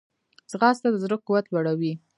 ځغاسته د زړه قوت لوړوي